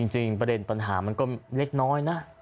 จริงประเด็นปัญหามันก็เล็กน้อยนะ